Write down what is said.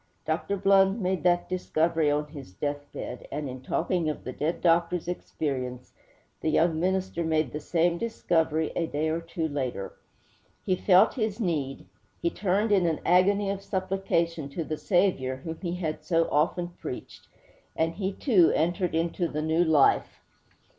Dr. Blund made that discovery on his deathbed, and, in talking of the dead doctor's experience, the young minister made the same discovery a day or two later. He felt his need; he turned in an agony of supplication to the Saviour whom he had so often preached; and he, too, entered into the new life.